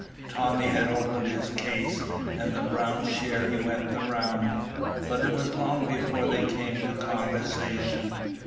Tommy had opened his case, and the brown sherry went the round; but it was long before they came to conversation.